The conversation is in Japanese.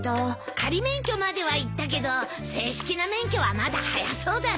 仮免許まではいったけど正式な免許はまだ早そうだね。